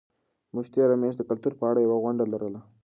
موږ تېره میاشت د کلتور په اړه یوه غونډه لرله.